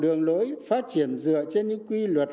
đường lối phát triển dựa trên những quy luật